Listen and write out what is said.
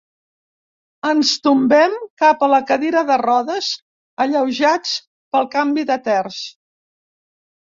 Ens tombem cap a la cadira de rodes, alleujats pel canvi de terç.